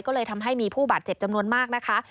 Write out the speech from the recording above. ก็เลยทำให้มีผู้บาดเจ็บจำนวนมากนะคะ